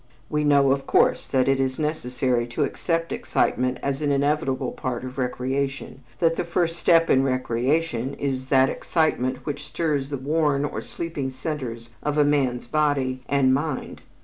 We know of course that it is necessary to accept excitement as an inevitable part of recreation, that the first step in recreation is "that excitement which stirs the worn or sleeping centers of a man's body and mind."